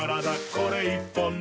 これ１本で」